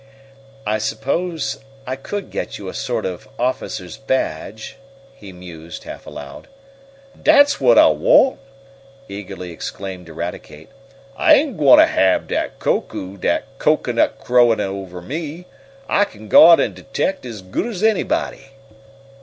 "I suppose I could get you a sort of officer's badge," he mused, half aloud. "Dat's whut I want!" eagerly exclaimed Eradicate. "I ain't gwine hab dat Koku dat cocoanut crowin' ober me! I kin guard an' detect as good's anybody!"